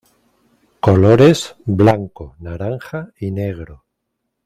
Colores: blanco, naranja y negro.